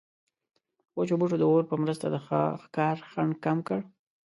وچو بوټو د اور په مرسته د ښکار خنډ کم کړ.